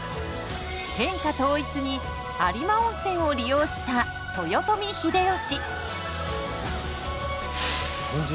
天下統一に有馬温泉を利用した豊臣秀吉。